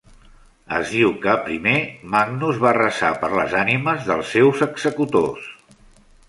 Es diu que, primer, Magnus va resar per les ànimes dels seus executors.